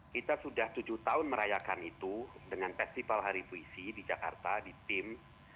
kita sudah tujuh tahun merayakan itu dengan festival hari puisi di jakarta di tim